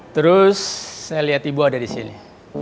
terus saya lihat ibu ada di sini